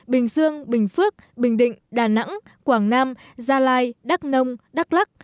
bình dương bình phước bình định đà nẵng quảng nam gia lai đắk nông đắk lắc